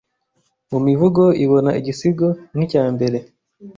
mumivugo ibona igisigo nkicyambere